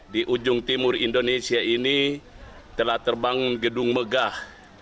di ujung timur indonesia ini telah terbang gedung megah